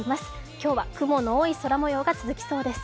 今日は雲の多い空模様が続きそうです。